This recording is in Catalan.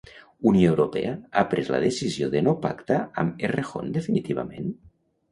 Unió Europea ha pres la decisió de no pactar amb Errejón definitivament?